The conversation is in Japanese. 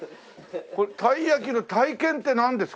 これたい焼きの体験ってなんですか？